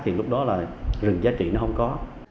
thì lúc đó là rừng giá trị nó không có